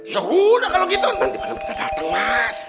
ya udah kalau gitu nanti malam kita dateng mas